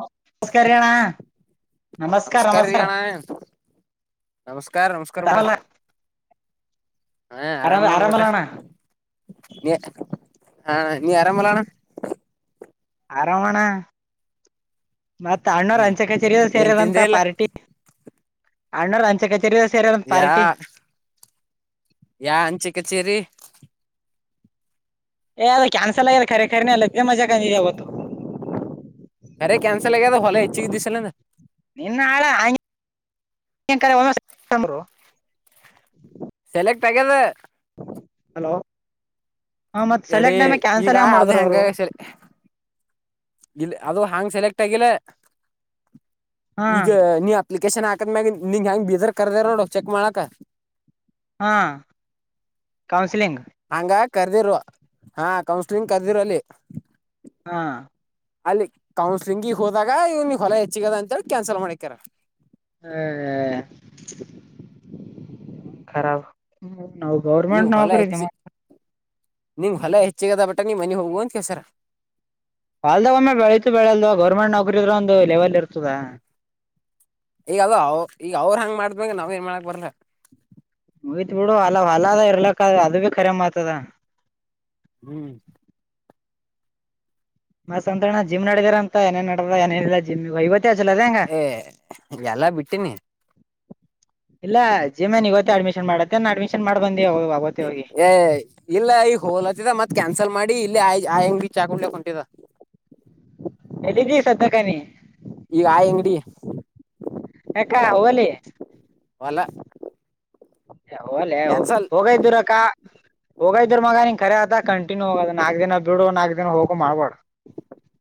ನಮಸ್ಕಾರಣ ನಮಸ್ಕಾರ ರೀ ನಮಸ್ಕಾರ ಅಣ್ಣ ನಮಸ್ಕಾರ ನಮಸ್ಕಾರ ಊಟಾ ಆರಾಮಲ್ಲ ಹ ಆರಾಮ್ ಆರಾಮ ನೋಡ್ಬಿಟ್ಟ ಆರಾಮಲ್ಲಣ್ಣ ನೀ ಹಾ ನೀ ಅರಾಮಲಣ ಆರಾಮಣ ಮತ್ತ ಅಣ್ಣೂರ್ ಹ್ಮ್ ಹಂಚೆ ಕಚೇರಿ ಏನ್ ಸೇರರಂತ ತಿಂದೆ ಇಲ್ಲ ಪಾರ್ಟಿ ಅಣ್ಣೂರ ಹಂಚೆ ಕಚೇರಿ ಸರಿ ಸರಿ ಒಂದು ಯಾ ಪಾರ್ಟಿ ಯಾ ಹಂಚಿ ಕಚೇರಿ ಏ ಅದ ಕ್ಯಾನ್ಸಲ್ ಆಲ್ಲೆಖರೆಖರ ನೀ ಅಲ್ಲೇ ಮಜಾಕ ನೀವದು ಅರೆ ಕ್ಯನ್ಸಲ್ಗ ಭಲ ಇಚ್ಚ್ಚು ದಿಸೆ ನಿನ್ನ ಹಾಳ ಒರು ಸೆಲೆಕ್ಟ್ ಆಗ್ಯದ ಹಲೋ ಹ ಮತ್ತ ಎಡಿ ಸೆಲೆಕ್ಟ್ ಟೈಮೆ ಈಗ ಕ್ಯಾನ್ಸಲ್ ಯಂಗ ಮಾಡಿದ್ರು ಅವರು ಇಲ್ಲಿ ಅದು ಹಾಂಗ್ ಸೆಲೆಕ್ಟ್ ಆಗಿಲ್ಲ ಹಾ ಈಗ ನೀ ಅಪ್ಲಿಕೇಶನ್ ಹಾಕ್ ತ್ ಮ್ಯ ನಿಂ ಹೆಂಗ ಬೀಜರ್ ಕರ್ದ ನೋಡು ಚೆಕ್ ಮಾಡಾಕ್ ಹಾಂ ಕಾೌನ್ಸಿಲಿಿಂಗ್ ಹಂಗ ಕರ್ದಿರು ಹಾ ಕೌನ್ಸಲಿಂಗ್ ಕರ್ದಿರು ಅಲ್ಲಿ ಹಾ ಅಲ್ಲಿ ಕೌನ್ಸಲಿಂಗಗ್ ಹೋದಾಗ ಇವ್ನಿಗೆ ಹೊಲ ಹೆಚ್ಚಿಗದ ಅಂತೇಳಿ ಕ್ಯಾನ್ಸಲ್ ಮಾಡಿಕ್ಯಾರ ಹ್ಮಾರ ನಾವು ನೀವ್ ಗೌರ್ಮೆಂಟ್ ಹೊಲ ನೌಕರಿ ಹೆಚ್ಚಿ ನಿಂಗ್ ಹೊಲ ಹೆಚ್ಚಿಗದ ಬಟ್ಟ ನೀವ್ ಮನೆಗ್ ಹೋಗುವ ಅಂತ ಕೇಸಾರ ಹೊಲದಲ್ಲಿ ಬೆಳೆದರೂ ಬೆಳೆದೆ ಇದ್ದರೂ ಗೌರ್ಮೆಂಟ್ ನೌಕರಿಗೆ ಬೆಲೆ ಇದೆ ಈಗ ಅವರೇ ಮಾಡಿದರೆ ನಾವೇನು ಮಾಡಕ್ಕಾಗಲ್ಲ ಮುಗೀತು ಬಿಡು ಹ್ಮ್ ಮತ್ತೆ ಅಣ್ಣ ಜಿಮ್ಮಿಗ್ ಹೋಗಿದ್ರಂತೆ ಏನ್ ಎಕ್ಸಸೈಜ್ ಮಾಡಿದ್ರಿ ಎಲ್ಲಾನು ಬಿಟ್ಟಿದಿನಿ ಜಿಮ್ ಗೆ ಇವತ್ ಅಡ್ಮಿಶನ್ ಆದ ಇಲ್ಲ ಮೊದಲು ಅಡ್ಮಿಶನ್ ಆಗಿದ್ದ ಏ ಇಲ್ಲ ಈಗ ಹೋಲತ್ತಿದ ಮತ್ ಕನ್ಸ [inaudible] ಅಂಗಡಿಗೆ ಇವಾಗ ಟೀ ಕುಡಿಯೋಕೆ ಬರ್ತೀವಿ ಇದ ಸ್ದಕಣಿ [inaudible] ಈಗ ಆ ಅಂಗಡಿ ಕ್ಕ ಹಲಿ [inaudible] ಹೊಲದಲ್ಲಿ ಅಲ್ಲೇ ಹೋಗ ಇದ್ದರು ಅಕ್ಕ ಹೋಗ ಇದ್ದ್ರ ಮಗನ [inaudible] ಹೋದ್ರೆ ಕಂಟಿನ್ಯೂ ಆಗಿ ಹೋಗಬೇಕು ನಾಲ್ಕು ದಿನ ಹೋಗೋದು ನಾಲ್ಕು ದಿನ ಬಿಡೋದು ಮಾಡಬಾರದು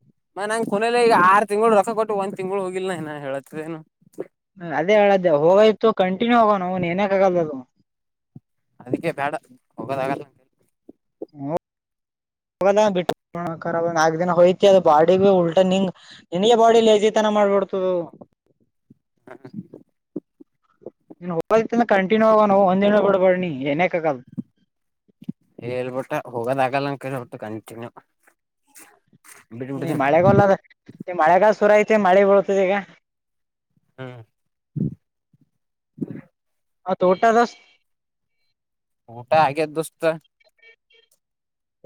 [inaudible] ಅದೇ ಹೇಳದು ಹೋದರೆ ಕಂಟಿನ್ಯೂ ಆಗಿ ಹೋಗಬೇಕು ಅದಕ್ಕೆ ಬೇಡ ಹೋಗೋದಲ್ಲ ಹೋಗ್ದೆ ಹೋದರೆ ನೀನೆ ಸೋಂಬೇರಿ ಐತ್ಯಾ ಮಾಡ್ಬಿಡ್ತದ [inaudible] ಹ್ಮ ನೀನು ಕಂಟಿನ್ಯೂಗಾಗಿ ಹೋಗು ಒಂದಿನ ಬಿಡಬೇಡ ಹೇಳ್ಬಿಟ್ಟೆ ನಾನು ಕಂಟಿನ್ಯೂ ಆಗಿ ಹೋಗಕ್ಕಾಗಲ್ಲ ಅಂತ ಮಳೆಗಾಲ ಶುರುವಾಯ್ತು ಮಳೆ ಬರುತ್ತ ಇವಾಗ ಹಾ ಹಾ ತೋಟ [unintelligible] ದಲ್ಲಿ ಊಟ ಆಗಿದೆ ದೋಸ್ತ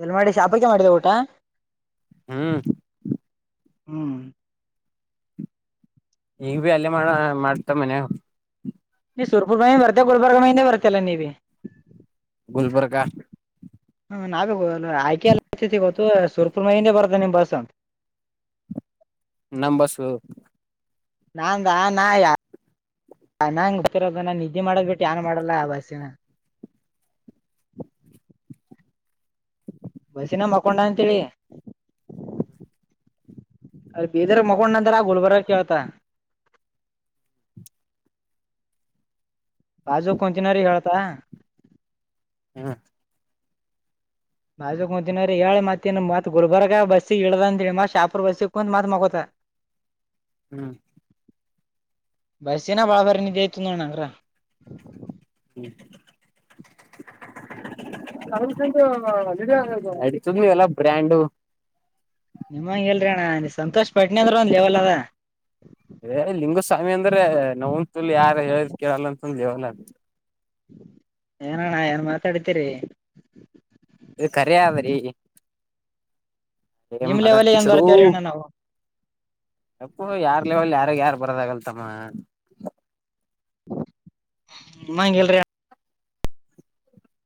ಎಲ್ ಮಾಡಿದಿ [unintelligible] ಶಾಪಲ್ಲೆ ಊಟ ಹ್ಮ್ ಹ್ಮ್ ಇಗ್ಬೀ ಅಲ್ಲೇ ಮಾಡ್ತಾ ಮನೆಗ [unintelligible] ನೀನು ಸುರಪುರದಿಂದ ಬಂದ ಇಲ್ಲ ಗುಲ್ಬರ್ಗ ಯಿಂದ ಬಂದ ಗುಲ್ಬರ್ಗ [unintelligible] ನಾವಬೇಕು ಆಯ್ಕೆ ಎಲ್ಲತಿ ಗೊತ್ತು ಸುರ್ಪುಲ್ [unintelligible] ಮೈಿಂದೇ ಬರ್ದ ನಿಮ್ ಬಸ್ ಅಂತ [inaudible] ನಮ್ಮ ಬಸ್ಸು ನಾಂಗಾ ನಾ ಯಾರ [inaudible] [unintelligible] ನಿದ್ದೆ ಮಾಡದು ಬಿಟ್ಟು ಬೇರೆ [unintelligible] ಏನು ಮಾಡಲ್ಲ [inaudible] ಬಸ್ನಲ್ಲಿ ಮಲಿಕೊಂಡಿದ್ದಾರೆ ಅಂತ ಹೇಳಿ ಬೀದರಲ್ಲಿ [unintelligible] ಮಲ್ಕೊಂಡೆ ಗುಲ್ಬರ್ಗದಲ್ಲಿ [unintelligible] ಎದ್ದೆ [inaudible] ಬಾಜು ಕುಂತಿನರಿ ಹೇಳ್ತ ಹಾ ಬಾಜು [unintelligible] ಹೇಳಿ ಮತ್ತೆ ಗುಲ್ಬರ್ಗ ಬಸ್ಸಿಳ್ದಿ ಶಪುರ್ ಬಸ್ಸತಿ ಮತ್ತೆ ಮಲಿಕೋತಾ ಹ್ಮ್ ಬಸ್ಸಲ್ಲಿ [unintelligible] ತುಂಬಾ ಚೆನ್ನಾಗಿ ನಿದ್ದೆ ಮಾಡಿದೆ ತಂತ ಹಲ್ಲಿ [inaudible] ನೀವು ಎಲ್ಲ ಬ್ರಾಂಡು ನೀವೆಲ್ಲಿ ಅಣ್ಣ ಸಂತೋಷಪಟ್ಟಿಲ್ಲ ಅಂದ್ರು ಒಂದು ಲೆವೆಲ್ ಅಲ್ಲಿ ಇದ್ದೀರಾ ಲಿಂಗಸ್ವಾಮಿ ಅಂದ್ರೆ ನಾವ [unintelligible] ಒಂತೂಲ್ ಯಾರ ಹೇಳ ಕೇಳಲ್ಲ ಅಂತಂದೇವಲ್ಲ [inaudible] ಏನಣ್ಣ ಏನ್ ಮಾತಾಡತಿರಿ ಇದು ಕರೆ ಅದಾರಿ [unintelligible] ನಿಮ್ ಅಗ ಲೆವೆಲ್ ಏನ್ ಚದು ಬರ್ತೇವ್ರಿ ಅಣ್ಣ ನಾವು ಅಪ್ಪೋ ಯಾರ್ ಲೆವಲ್ ಯಾರಾಗ ಯಾರ ಬರದ ಆಗಲ್ತಮ್ಮ [unintelligible] ಮ ಎಲರಿ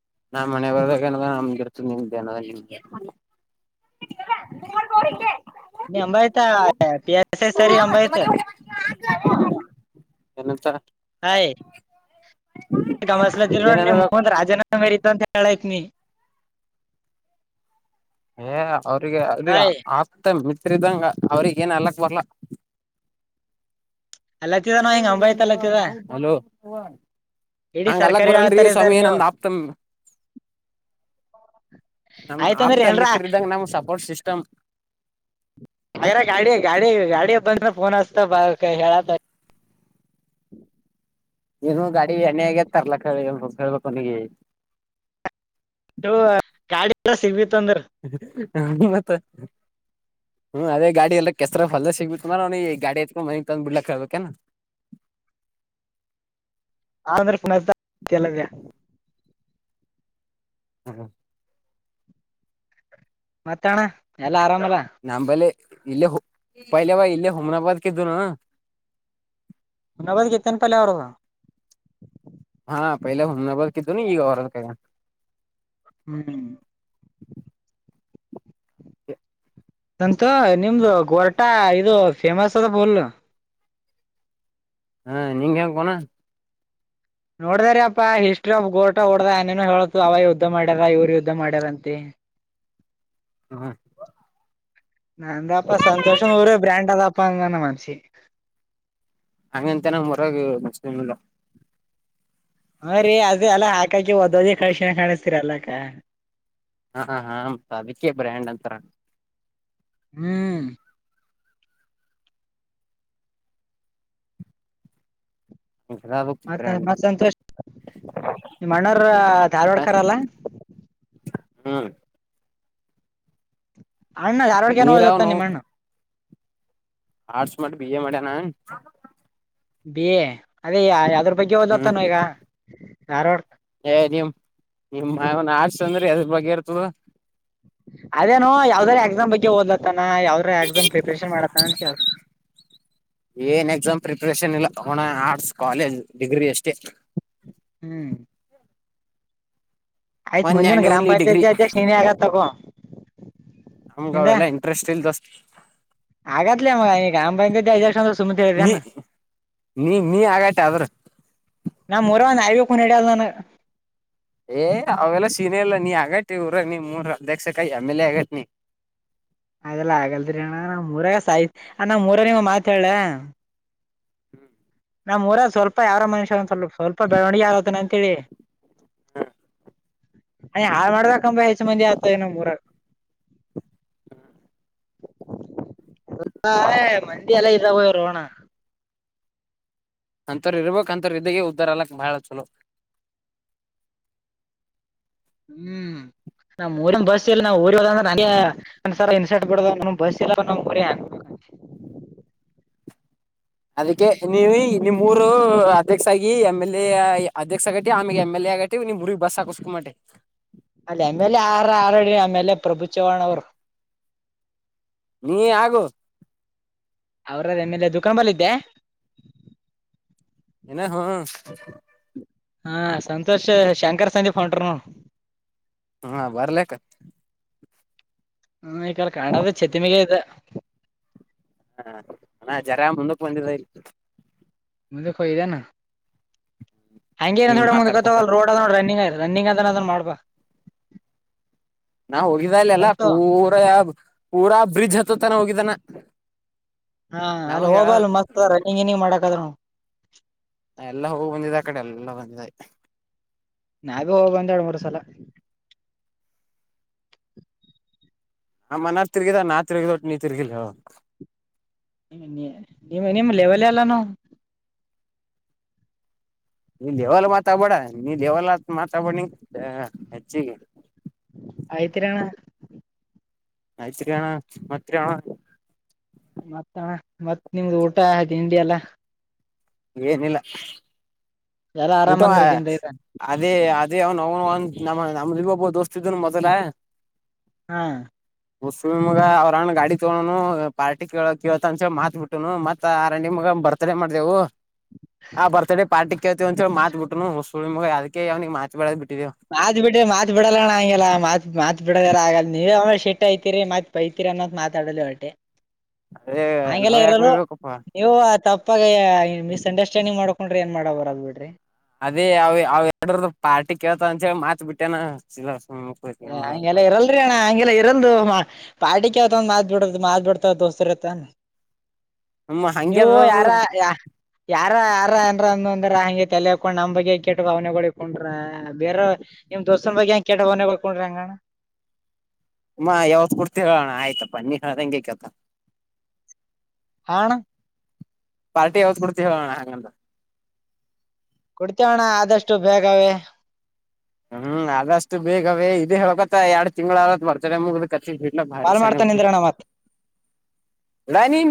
[unintelligible] ನಾ ಮನೆ ಬರ್ದ ಏನ ನಮ್ಗೆ ಇರ್ತ ನಿಮ್ದೇನ ನಿಮ್ಗೆ ನೀ ಅಂಬಾಹಿತಾ [unintelligible] ಪಸ್ಐ ಸರಿ ಅಂಬಾಯತ [inaudible] ಏನಂತ ಹಯ್ [unintelligible] ಗಮಲ ಏನನ್ಬೇಕು ನೋಂದ ರಾಜೀನಾಮೆ ಹತಂತ [inaudible] ಕಳಕ್ ನೀ ಏ ಅವ್ರಿಗೆ ಅವ್ರಿಗೆ ಹಾಯ್ ಆಗ್ತ ಮಿತ್ರ್ದಂಗ ಅವ್ರಿಗೆ ಏನ್ ಹೆಲ್ಲಕ್ ಬರಲ್ಲ [inaudible] ಅಲ್ಲತ್ತಿದ ನಾವ ನಾವ್ ಹಿಂಗ್ ಅಂಬಾಯ್ತ ಹೇಳಿದ್ರನು ಅಲ್ಲತ್ತಿದ ನ ಹೆಲೋ ಇಡೀ ಹಂಗ ಅಲ್ಲಕ್ ಸರ್ಕಾರಿ ಬರಲ್ರಿ ಆಳ್ತಾರಿ ಸರ್ ಸ್ವಾಮಿ ನೀವು ನಮ್ದ್ ಆಪ್ತಮ್ ನಮ್ ಆಯ್ತಂದ್ರ ಆಪ್ತ ಎಲ್ರ ಮಿತ್ರ ಇದ್ದಂಗ ನಮ್ ಸಪೋರ್ಟ್ ಸಿಸ್ಟಮ್ [unintelligible] ಅರ ಗಾಡಿ ಗಾಡಿ ಗಾಡಿಯ ಬಂಡ್ರ ಫೋನ್ ಅಚ್ತ [unintelligible] ಬ ಹೇಳ [inaudible] ಏನು ಗಾಡಿ ಎಣ್ಣೆ ಆಗತ್ತ ತರ್ಲಾಕ್ [inaudible] ಹೇಳ್ಬೇಕು ಅವನಿಗೆ [inaudible] ಗಾಡಿ ಎಲ್ಲ ಸಿಗ್ ಹ ಮತ್ತ ಹ್ಮ್ ಅದೇ ಗಾಡಿ ಎಲ್ಲ ಕೆಸರ ಹೊಡೆದಾಗ ಸಿಗ್ ಬಿತ್ ಅಂದ್ರ ಅವನಿಗೆ ಗಾಡಿ ಎತ್ಕೊಂಡ ಮನಿಗ್ ತಂದ್ ಬಿಡ್ಲಾಕ್ ಹಳ್ಬೇಕೇನು [inaudible] [unintelligible] ಆಂದ್ರ ಕುನಲ್ಲವ [inaudible] ಹ್ಮ ಮತ್ತ ಅಣ್ಣ ಎಲ್ಲ ಆರಾಮಾ ನಮ್ಮ ಬಲ್ಲಿ ಇಲ್ಲೇ ಪಯಿಲೆ ಅವ ಇಲ್ಲೇ ಹುಮ್ನಾಬಾದ್ಕ ಇದ್ದನು, ಹುಮ್ನಬಾದ್ ಗೆತ್ತಿ ಅಂತ ಅಲ್ಲ ಅವರುದ, ಹ ಪೈಲೆ ಹುಮ್ನಾಬಾದಕಿದ್ದನು ಈಗ, [unintelligible] ಹ್ಮ್ ಸಂತ ನಿಮ್ದು ಗೊರಟಾ ಇದು ಫೇಮಸ್ ಅದ ಫುಲ್, ಹಾ ನಿಂಗೆ ಇಂಗ್ ಕುನಾ, ನೋಡ್ದ ರಿ ಯಪ್ಪಾ ಹಿಸ್ಟ್ರಿ ಆಫ್ ಗೂಟಾ ಓಡದೆ ಏನೇನೋ ಹೇಳತು ಅವ ಯುದ್ಧ ಮಾಡ್ಯಾರ ಇವ್ರ ಯುದ್ಧ ಮಾಡ್ಯಾರ ಅಂತಿ, ಹ್ಮ್ ನಾ ಅಂದೆ ಪಾ ಸಂತೋಷನ ಊರೆ ಬ್ರಾಂಡ್ ಅದಪ ಅಂದಾನೆ ಮನಸಿಗಿ, ಅಂಗ ಅಂತಾ ನಮ್ಮ ಊರಾಗ [unintelligible] ಇಲ್ಲ, ಹಾ ರೀ ಅದೇ ಅಲ್ಲ ಹಾಕಕಿ ಹೊದ್ದದಿ [unintelligible] ಕಳಿಸ್ತೀರಿ ಎಲ್ಲಾಕ, ಹಾ ಹಾ ಮತ್ತೆ ಅದಕ್ಕೆೇ ಬ್ರ್ಯಾಂಡ್ ಅಂತರ್, ಹ್ಮ್ ಅದಕ್ ಮತ್ತ ಬ್ರ್ಯಾಂಡ್ ಮತ್ತ ಸಂತೋಷ, ನಿಮ್ಮ ಅಣ್ಣರ ಧಾರವಾಡಕರಲ್ಲಾ, ಹ್ಮ್ ಅಣ್ಣ ಧಾರವಾಡಕ ಏನ ನೀರಾವ್ ಓದ್ಲಕತ್ತಾನ ನಾವು ನಿಮ್ಮ ಅಣ್ಣ, ಆರ್ಟ್ಸ್ ಮಾಡಿ ಬಿ ಎ ಮಾಡ್ಯಾನ, ಬಿ ಎ ಅದೇ ಯದ್ರ ಬಗ್ಗೆ ಓದ್ಲ ಹ್ಮ್ ಕತ್ತನ್ ಈಗ ಧಾರವಾಡಕ, ಏ ನಿಮ್ಮ್ ನಿಮ್ಮ್ನ್ ಆರ್ಟ್ಸ್ ಅಂದ್ರ ಎದ್ರ ಬಗ್ಗೆ ಇರ್ತದ, ಅದೇನು ಯಾವದರ ಎಕ್ಸಾಮ್ ಬಗ್ಗೆ ಓದ್ಲ ಕತ್ತನ, ನಾ ಯಾವದರ ಎಕ್ಸಾಮ್ ಪ್ರಿಪರೇಷನ್ ಮಾಡಕ ಅತ್ತಾನ ಅಂತ ಕೇಳಿದೆ, ಏನ್ ಎಕ್ಸಾಮ್ ಪ್ರಿಪರೇಷನ್ ಇಲ್ಲ ಒಣ ಆರ್ಟ್ಸ್ ಕಾಲೇಜ್ ಡಿಗ್ರಿ ಅಷ್ಟೇ, ಹ್ಮ್ ಆಯ್ತ್ ಒನ್ ಮುಂದಿನ ಆ್ಯಂಡ್ ಗ್ರಾಮ ಓನ್ಲಿ ಡಿಗ್ರಿ ಪಂಚಾಯತಿ ಅಧ್ಯಕ್ಷ ನೀನೇ [unintelligible] ತೊಗೊ, ನಮಗ ಅವೆಲ್ಲಾ ಇಂಟ್ರೆಸ್ಟ್ ಇಲ್ಲ ದೋಸ್ತ್, ಆಗತ್ತಲೆ ಮಗಾ ನೀ ಗ್ರಾಮ ಪಂಚಾಯತ್, [unintelligible] ನೀ ನೀ ನೀ ಆಗತ್ತಿ ಆದ್ರ, ಬರೇ ಒಂದು ನಾಯಿ ಕುನ ಹಿಡಿಯಲ್ಲ ನನಗ, ಏ ಅವೆಲ್ಲ ಸೀನ ಇಲ್ಲ ನೀ ಆಗತ್ತ ಊರ ನೀ ನಿಮ್ಮೂರು ಅಧ್ಯಕ್ಷಕ ಎಮ್ ಎಲ್ ಎ ಆಗತ್ತಿ ನೀ, [inaudible] ಅದೆಲ್ಲ ಆಗಲ್ದರಿ ಅಣ್ಣ ನಮ್ಮ ಊರಾಗ ಸಾಯಿ ನಮ್ಮ ಊರಾರಿಗೊಂದು ಮಾತು ಹೇಳ್, ಹು, ನಮ್ಮ ಊರಗ ಸ್ವಲ್ಪ ಯಾರರ ಮನುಷ್ಯ ಒಂದ್ ಸ್ವಲ್ಪ ಸ್ವಲ್ಪ ಬೆಳವಣಿಗೆ ಆಗಕ ಅತ್ತನ ಅಂತ ತಿಳಿ, ಹ ಅಯ್ಯ ಹಾಳ್ ಮಾಡ್ಬೇಕೆಂಬ ಹೆಚ್ಚ ಮಂದಿ ಆತ ನಮ್ಮ ಊರಗ ಹು - ಸುತ್ತ ಏ ಮಂದಿಯ ಎಲ್ಲ ಇರೋರ ಅಣ್ಣ -ಅಂಥರ್ ಇರ್ಬೇಕಕ್ ಅಂತರ ಇದಾಗ ಉದ್ದಾರ ಆಗಲ್ಲಕ ಬಹಳ ಚಲೋ ಹು ನಮ್ಮ ಊರಿಂದ ಬಸ್ ನಾವು ಊರಿಗ ಹೋದರ ನಮಗೆ ಒಂದ್ ಇನ್ಸೆಟ್ ಬಿ ಬಸ್ ಇಲ್ಲ ನಮ್ಮೂರಿಗೆ ಅದಕ್ಕೆ ನೀವಿ ನಿಮ್ಮ ಊರು ಅಧ್ಯಕ್ಷ ಆಗಿ ಎಮ್ ಎಲ್ ಎ ಅಧ್ಯಕ್ಷ ಆಗಿತಿ ಆಮೇಗ ಎಮ್ ಎಲ್ ಎ ಫ್ರೀ ಆಗೇತಿ ನಿಮ್ಮೂರಿಗೆ ಬಸ್ ಕಿಸ್ಕೊಂಡ್ ಬನ್ನಿ ಅಲ್ಲಿ ಎಂಎಲ್ಎ ಆರ ಆರಡಿ ಆಮೇಲೆ ಪ್ರಭು ಚವ್ಹಾಣ ಅವರು ನೀ ಆಗೋ ಅವರದ ಎಂಎಲ್ಎ ದುಖಾನ್ ಬಲ್ಲ ಇದ್ದೆ ಏನ ಹ [unintelligible] ಹಾ ಸಂತೋಷ್ ಶಂಕರ್ ಸಂದೀಪ್ ಹೊಂಟಾರ್ ನೋ ಹಾ ಬರ್ಲಕ್ಕ ಹಾ ಈಕಡ ಕಾಣದ ಚೆತಿಮಗ ಇದೆ ಹಾ ಅಣ್ಣಣ ಜರ ಮುಂದಕ್ಕ ಬಂದಿದರ ಇಗ ಒಂದಕ ಹೊಯದಾನ ಹಂಗೆ ಏದ ನಿಂಗ್ ನೋಡೆ ಮುಂದಕತ ಮಾತಾಡ್ಕೊತ ರೋಡ್ ನೋಡ ರನ್ನಿಂಗ್ ಅಂತ ಮಾಡ ಬಾ ನಾ ಹೋಗಿದಲ್ಲ ಅಲ್ಲಾ ಪೂರಾ ಪೂರಾ ಬ್ರಿಜ್ ಹತ್ತತನ ಹೋಗಿದಾನ ಹಾ ಅಲ್ಲಿ ಹೋಗಬಲ್ ಮತ್ತ ರನಿಂಗ್ ಗಿನಿಂಗ್ ಮಾಡಕಾದರೂ ಎಲ್ಲಾ ಹೋಗ ಬಂದಿದೆ ಆ ಕಡೆ ಎಲ್ಲ ಒಂದೇ ನಾಗೂ ಹೋಗಿ ಬಂದಾಳ ಮೂರು ಸಲ ನಮ್ಮ ಅಣ್ಣ ತಿರ್ಗಿದ ನಾ ತಿರುಗಿದ ಅಷ್ಟ ನೀ ತಿರಗಿಲ್ಲ ನಿ ನಿಮ್ಮ ಲೆವೆಲ್ ಅಲ್ಲ ನಾವು ನೀ ಲೇವಲ್ ಮಾತಾಬೇಡ ನೀ ಲೇವಲ್ ಮಾತಾಬೇಡ ನೀ ಹೆಚ್ಚಿಗಿ ಆಯ್ತ್ರಿ ಅಣ್ಣ ಆಯ್ತ್ರಿ ಅಣ್ಣ ಮತ್ರಿ ಅಣ್ಣ ಮತ್ತ ಮತ್ತ ನಿಮ್ದು ಊಟ ತಿಂಡಿ ಎಲ್ಲಾ ಏನಿಲ್ಲ ಎಲ್ಲಾ ಊಟ ಆರಾಮಂದ್ರಿ ಜಿಂದ ಇದ ಅದೇ ಅದೇ ಅವನು ಅವನು ನಮ್ಮ ನಮ್ದು ನಮಗೂ ದೋಸ್ತ್ ಇದುನ್ನು ಮೊದಲ ಹಾ ಹುಚ್ಚ ಮಗ ಅವರ ಅಣ್ಣ ಗಾಡಿ ತಗೊಂಡನು ಪಾರ್ಟಿ ಕೇಳ ಹೇಳ್ತೀನಿ ಅಂತ ಹೇಳಿ ಮಾತ್ ಬಿಟ್ಟುನು ಮತ್ತ ಮಗ ಸುಮ್ಮ ಬರ್ತಡೇ ಮಾಡಿದೆವು ಆ ಬರ್ತಡೇ ಪಾರ್ಟಿ ಕೇಳ್ತೀವಿ ಅಂತ ಹೇಳಿ ಮಾತು ಬಿಟ್ಟುನು ಹುಚ್ ಮಗ ಅದಿಕ್ಕೆ ಅವನಿಗೆ ಮಾತಾಡೋದ್ ಬಿಟ್ಟು ಮಾತ್ ಬಿಟ್ರ ಮಾತ್ ಬಿಡಲ್ಲಣ ಹಂಗಗೆಲ್ಲ ಮಾತ್ ಮಾತ್ ಬಿಡಲ್ಲ ಆಗಲ್ಲ ನೀ ವೇಮೇಶ ಸಿಟ್ಟ ಐತಿರಿ ಮತ್ತು ಬೈತಿರಿ ಅನ್ನೋದು ಮಾತಾಡೋಲಿ ಹೊಟ್ಟೆ ಅದೇ ಹಂಗೆಲ್ಲ ನಾವ್ ಯಾಕ ಇರಲು ಬಯ್ಬೇಕಪ್ಪಾ ನೀವು ತಪ್ಪ ಏ ಮಿಸ್ ಅಂಡರ್ಸ್ಟ್ಯಾಂಡಿಂಗ್ ಮಾಡ್ಕೊಂಡ್ರಿ ಏನ್ ಮಾಡಕ ಬರಲಾ ಬಿಡ್ರಿ ಅದೇ ಅವ ಅವ ಎರಡ ಪಾರ್ಟಿ ಕೇಳ್ತ ಅಂಂತ ಹೇಳೇಳಿ ಮಾತ್ ಬಿಟ್ಟೇನ ಸುಮ್ನ ಕೂತ್ ಏನ್ ಹಗೆಲ್ಲ ಮಾಡೋದು ಇರಲ್ರಿ ಅಣ್ಣ ಹಂಗೆಲ್ಲ ಇರಂದು ಪಾರ್ಟಿ ಕ ಹಾವತ ಒ ಮಾತ್್ ಬಿಡ್ ಮಾತ್ಬ ಬಿಡ್ತಾರ ದೋಸ್ತರತವ್ ಹ್ಮ ಹಂಗೆ ನೀವು ಅದ ಅದು ಯಾರ ಯ ಯಾರ ಯಾರ ಅ ಅಂದ್ರ ಹಂಗೆ ತಲೆ ಹಾಕೊಂಡ್ ನಮ್ ಬಗ್ಗೆ ಕೆಟ್ಟ ಭಾವನೆಗಕೊಂಡ್ರ ಬೇರ ನಿಮ್ ದೋಸ್ತನ ಬಗ್ಗೆ ಹೆ ಕೆ ೆ ಕೊಡ್ಕೊಂಡ್ರಿ ಹಂಗಣ ್ಮ ಯಾವತ್ ಕುಡ್ತಿರೋಣ ಆಯ್ತಪ್ಪ ನೀಂಗೇಕತ್ತ ಹ ಅಣ ಪಾರ್ಟಿ ಯಾವ್ದ ಕೊಡ್ತೀವಣ ಹಂಗಂತ ಕುಡ್ತೇವಣ್ಣ ಆದಷ್ಟು ಬೇಗವೇ ಹ್ಮ್ ಅಷ್ಟು ಬೇಗವೇ ಇದೇ ಹಳ್ಕತ್ತ ಎರಡ್ ತಿಂಗಳ ಆತ್ ಬರ್ತಾರೆ ಮುಗ ಕ ಹ ಬಾರಿ ಕಾಲ್ ಶಾಣ ಮಾಡ್ತಾನಿಂದ್ರಣ್ಣ ಮತ್ ರಾನ